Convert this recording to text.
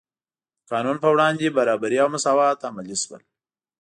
د قانون په وړاندې برابري او مساوات عملي شول.